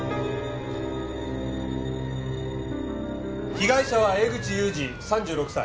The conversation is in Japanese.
被害者は江口勇二３６歳。